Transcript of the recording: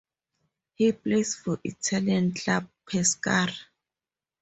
He plays for Italian club Pescara.